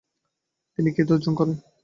তিনি খ্যাতি অর্জন করেন।